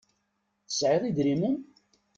Tesεiḍ idrimen?